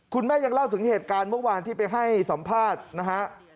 คุณแม่ยังเล่าถึงเหตุการณ์เมื่อวานที่ไปให้สัมภาษณ์นะฮะ